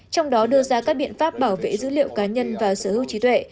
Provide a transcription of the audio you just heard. trong đó đưa ra các biện pháp bảo vệ dữ liệu cá nhân và sở hữu trí tuệ